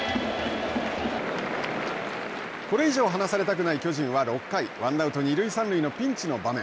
これ以上、離されたくない巨人は６回、ワンアウト、二塁三塁のピンチの場面。